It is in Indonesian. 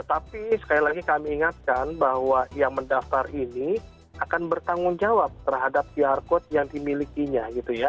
tapi sekali lagi kami ingatkan bahwa yang mendaftar ini akan bertanggung jawab terhadap qr code yang dimilikinya gitu ya